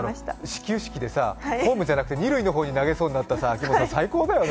始球式でさ、ホームじゃなくて二塁の方に投げそうになった秋元さん、最高だよね。